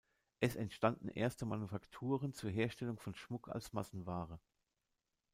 Es entstanden erste Manufakturen zur Herstellung von Schmuck als Massenware.